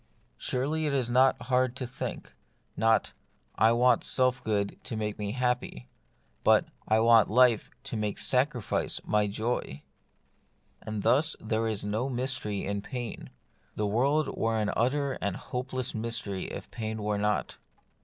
Surely it is not hard to think ;— not, I want self good to make me happy ; but, I want life to make sacrifice my joy ! And thus there is no mystery in pain. The world were an utter and hopeless mystery if pain were not.